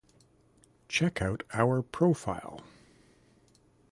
Check out our profile